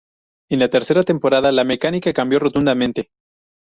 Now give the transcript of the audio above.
En la tercera temporada la mecánica cambió rotundamente.